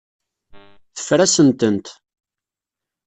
Teffer-asent-tent.